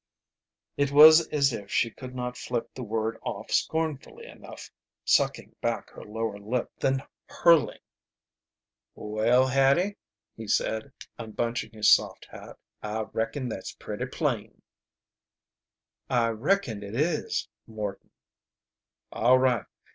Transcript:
It was as if she could not flip the word off scornfully enough, sucking back her lower lip, then hurling. "Well, Hattie," he said, unbunching his soft hat, "I reckon that's pretty plain." "I reckon it is, Morton." "All right.